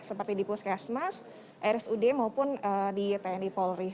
seperti di puskesmas rsud maupun di tni polri